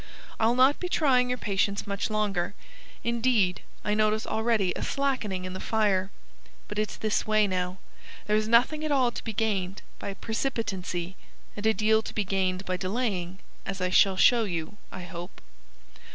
"I'll not be trying your patience much longer. Indeed, I notice already a slackening in the fire. But it's this way, now: there's nothing at all to be gained by precipitancy, and a deal to be gained by delaying, as I shall show you, I hope."